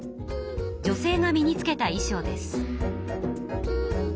女性が身につけた衣しょうです。